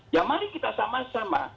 ya mari kita sama sama